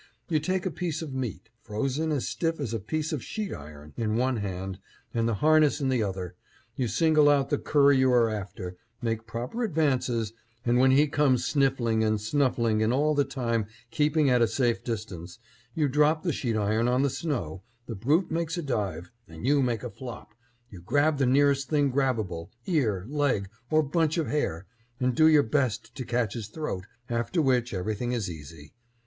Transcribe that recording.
You take a piece of meat, frozen as stiff as a piece of sheet iron, in one hand, and the harness in the other, you single out the cur you are after, make proper advances, and when he comes sniffling and snuffling and all the time keeping at a safe distance, you drop the sheet iron on the snow, the brute makes a dive, and you make a flop, you grab the nearest thing grabable ear, leg, or bunch of hair and do your best to catch his throat, after which, everything is easy.